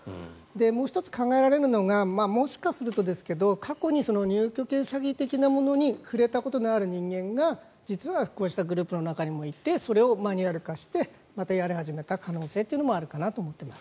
もう１つ考えられるのがもしかするとですが過去に入居権詐欺的なものに触れたことのある人間が、実はこうしたグループの中にもいてそれをマニュアル化してまたやり始めた可能性もあるかなと思っています。